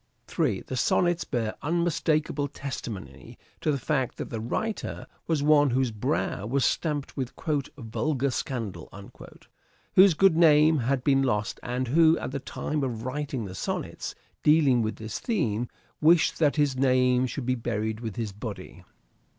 3. The Sonnets bear unmistakable testimony to the fact that the writer was one whose brow was stamped with " vulgar scandal "; whose good name had been lost, and who, at the time of writing the sonnets dealing with this theme, wished that his name should be buried with his body.